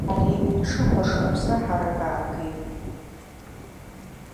Ара иҽы хәашлаԥса ҳарак ааргеит.